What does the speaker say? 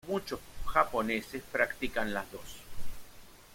Muchos japoneses practican las dos.